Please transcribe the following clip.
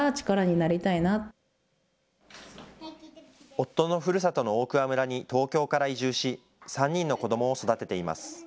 夫のふるさとの大桑村に東京から移住し、３人の子どもを育てています。